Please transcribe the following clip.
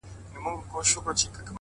زړه مي له رباب سره ياري کوي,